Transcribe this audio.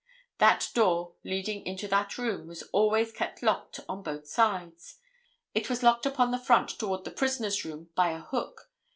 That door leading into that room was kept always locked upon both sides. It was locked upon the front toward the prisoner's room by a hook.